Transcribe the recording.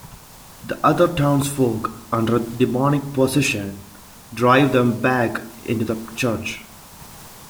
The other townsfolk, under demonic possession, drive them back into the church.